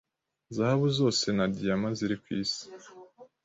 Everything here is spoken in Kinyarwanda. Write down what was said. Zahabu zose na diyama ziri ku isi